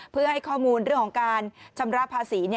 เพื่อให้ข้อมูลเรื่องของการชำระภาษี